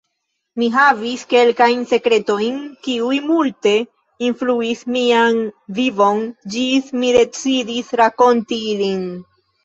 Mi havis kelkajn sekretojn kiuj multe influis mian vivon, ĝis mi decidis rakonti ilin.